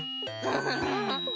ンフフフ。